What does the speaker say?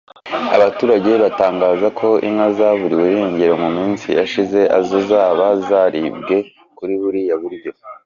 Abaturage batangaza ko inka zaburiwe irengero mu minsi yashize azo zaba zaribwe kuri buriya buryo